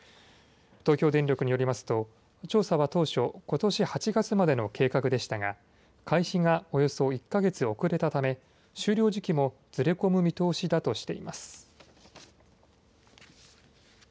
東京電力によりますと調査は当初、ことし８月までの計画でしたが開始がおよそ１か月遅れたため終了時期もずれ込む見通しだとしています。